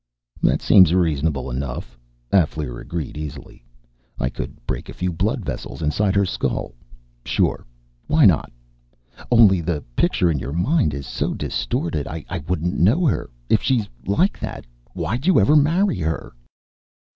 "That seems reasonable enough," Alféar agreed easily. "I could break a few blood vessels inside her skull.... Sure, why not? Only the picture in your mind is so distorted, I wouldn't know her. If she's like that, why'd you ever marry her?"